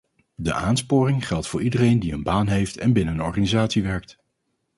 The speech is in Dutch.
De aansporing geldt voor iedereen die een baan heeft en binnen een organisatie werkt.